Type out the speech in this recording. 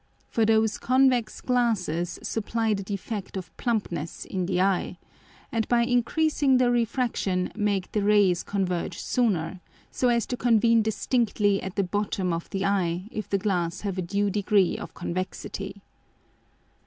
For those Convex glasses supply the defect of plumpness in the Eye, and by increasing the Refraction make the Rays converge sooner, so as to convene distinctly at the bottom of the Eye if the Glass have a due degree of convexity.